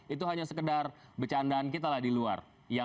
itu hanya sekedar bercandaan kita lah di luar